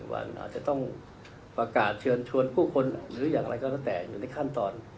วันอาจจะต้องประกาศเชิญชวนผู้คนหรืออย่างไรก็แล้วแต่อยู่ในขั้นตอน